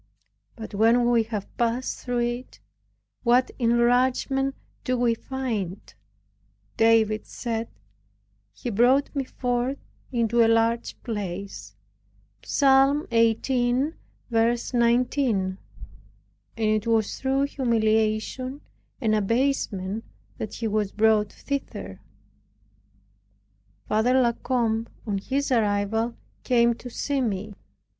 But when we have passed through it, what enlargement do we find! David said, (Psalm 18:19) "He brought me forth into a large place." And it was through humiliation and abasement that he was brought thither. Father La Combe, on his arrival, came to see me.